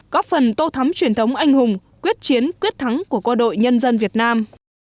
có phần tô thắm truyền thống anh hùng quyết chiến quyết thắng của cơ đội nhân dân việt nam